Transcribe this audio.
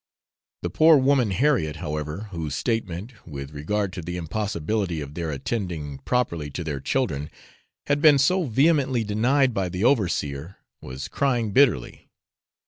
The poor woman Harriet, however, whose statement, with regard to the impossibility of their attending properly to their children, had been so vehemently denied by the overseer, was crying bitterly.